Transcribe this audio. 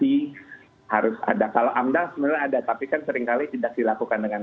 ya masukan sering kita lakukan